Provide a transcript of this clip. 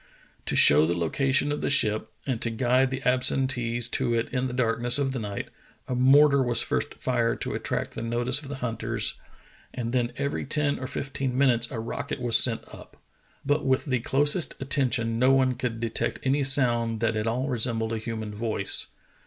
To show the location of the ship and to guide the absentees to it in the darkness of the night, a mortar was first fired to attract the notice of the hunters, and 112 True Tales of Arctic Heroism then every ten or fifteen minutes a rocket was sent up, but with the closest attention no one could detect any sound that at all resembled a human voice.